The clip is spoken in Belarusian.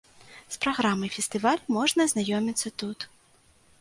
З праграмай фестывалю можна азнаёміцца тут.